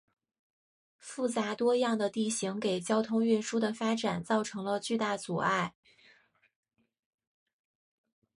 复杂多样的地形给交通运输的发展造成了巨大阻碍。